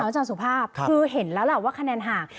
อาจารย์สุภาพคือเห็นแล้วล่ะว่าคะแนนห่าง